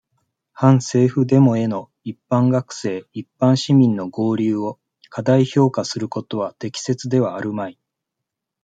反政府デモへの、一般学生、一般市民の合流を、過大評価することは、適切ではあるまい。